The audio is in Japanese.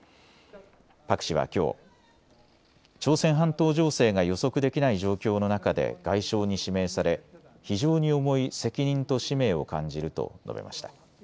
パク氏はきょう朝鮮半島情勢が予測できない状況の中で外相に指名され非常に重い責任と使命を感じると述べました。